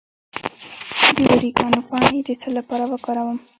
د اوریګانو پاڼې د څه لپاره وکاروم؟